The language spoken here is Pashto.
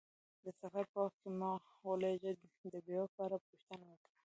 د سفر په وخت کې مه غولیږه، د بیو په اړه پوښتنه وکړه.